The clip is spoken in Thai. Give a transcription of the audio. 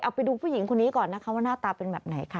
เอาไปดูผู้หญิงคนนี้ก่อนนะคะว่าหน้าตาเป็นแบบไหนค่ะ